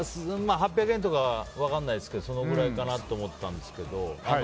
８００円とかは分かんないですけどそのくらいかと思ったんですけど。